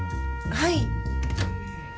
・はい。